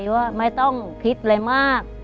ว่าไม่ต้องคิดอะไรมาก